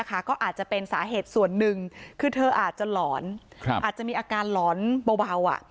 ก็อาจจะเป็นสาเหตุส่วนหนึ่งคือเธออาจจะหลอนอาจจะมีอาการหลอนเบา